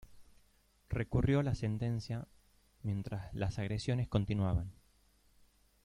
Recurrió la sentencia, mientras las agresiones continuaban.